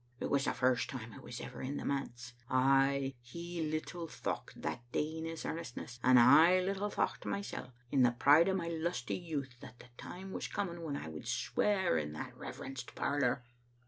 It was the first time I was ever in the manse. Ay, he little thocht that day in his earnestness, and I little thocht mysel* in the pride o' my lusty youth, that the time was coming when I would swear in that reverenced parlor.